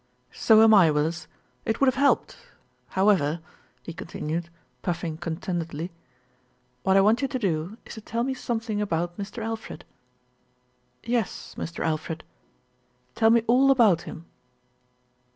"So am I, Willis. It would have helped. How ever," he continued, puffing contentedly. "What I want you to do is to tell me something about Mr. Alfred." "Yes, Mr. Alfred." "Tell me all about him."